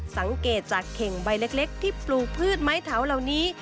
สังเกตจากเข่งใบเล็กที่ปลูกพืชไม้เถาเหล่านี้